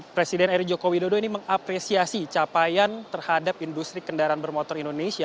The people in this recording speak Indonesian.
presiden eri joko widodo ini mengapresiasi capaian terhadap industri kendaraan bermotor indonesia